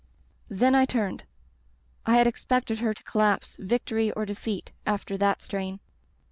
"Then I turned. I had expected her to collapse, victory or defeat — after that strain.